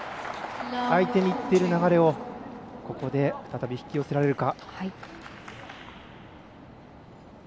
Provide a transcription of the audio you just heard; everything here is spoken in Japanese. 相手にいっている流れをここで再び引き寄せられるか。